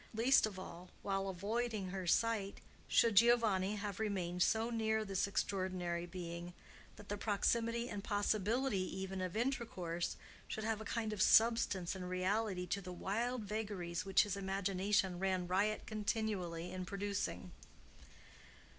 Least of all, while avoiding her sight, ought Giovanni to have remained so near this extraordinary being that the proximity and possibility even of intercourse should give a kind of substance and reality to the wild vagaries which his imagination ran riot continually in producing.